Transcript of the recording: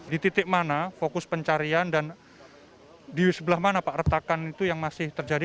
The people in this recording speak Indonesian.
di titik mana fokus pencarian dan di sebelah mana pak retakan itu yang masih terjadi